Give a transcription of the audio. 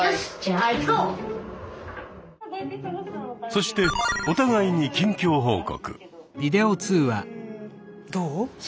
そしてお互いに近況報告。